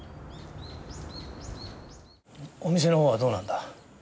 お店のほうはどうなんだ？